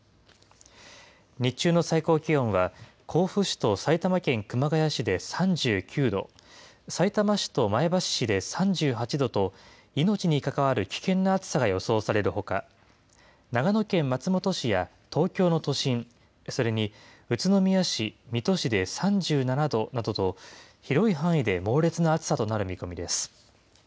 日中の最高気温は、甲府市と埼玉県熊谷市で３９度、さいたま市と前橋市で３８度と、命に関わる危険な暑さが予想されるほか、長野県松本市や東京の都心、それに宇都宮市、水戸市で３７度などと、広い範囲で猛烈な暑さとなる見込みです。